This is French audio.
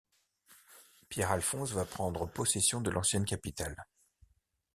Pierre Alphonse va prendre possession de l'ancienne capitale.